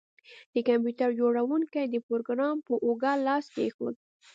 د کمپیوټر جوړونکي د پروګرامر په اوږه لاس کیښود